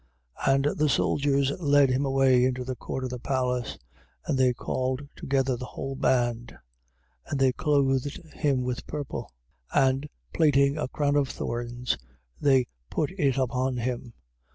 15:16. And the soldiers led him away into the court of the palace: and they called together the whole band. 15:17. And they clothed him with purple: and, platting a crown of thorns, they put it upon him.